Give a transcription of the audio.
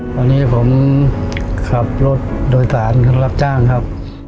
ตอนนี้ผมขับรถโดยสารรับจ้างครับ